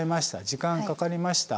時間かかりました。